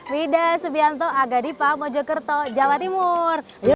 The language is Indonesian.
wida subianto agadipa mojokerto jawa timur